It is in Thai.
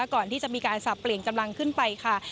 ก่อนที่จะมีการสับเปลี่ยนกำลังขึ้นไปค่ะ